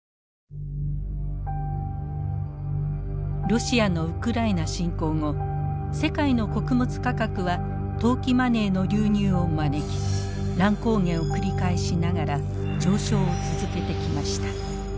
ロシアのウクライナ侵攻後世界の穀物価格は投機マネーの流入を招き乱高下を繰り返しながら上昇を続けてきました。